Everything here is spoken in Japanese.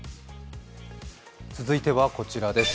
続いてはこちらです。